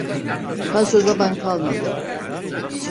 Fazla zaman kalmadı.